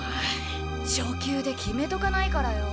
初球で決めとかないからよ。